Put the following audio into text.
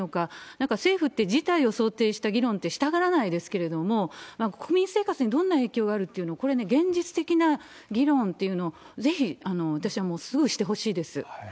なんか政府って、事態を想定した議論ってしたがらないですけれども、国民生活にどんな影響があるっていうのを、これね、現実的な議論っていうのをぜひ私はもう、すぐしてほしいです。